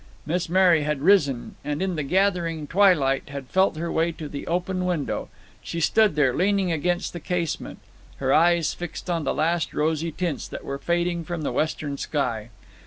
Miss Mary had risen and, in the gathering twilight, had felt her way to the open window. She stood there, leaning against the casement, her eyes fixed on the last rosy tints that were fading from the western sky.